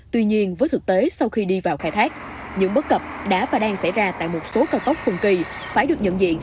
tuy nhiên với thực tế sau khi đi vào khai thác những bất cập đã và đang xảy ra tại một số cao tốc phân kỳ phải được nhận diện